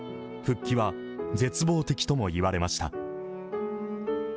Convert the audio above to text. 復帰は絶望的とも言われました。